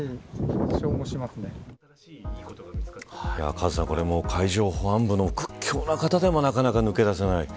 カズさん、海上保安部の屈強な方でもなかなか抜け出せない。